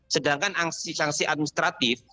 sedangkan sanksi administratif